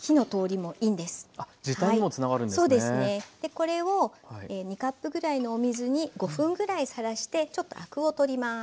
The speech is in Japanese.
これを２カップぐらいのお水に５分ぐらいさらしてちょっとアクを取ります。